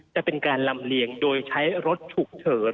จะเป็นการลำเลียงโดยใช้รถฉุกเฉิน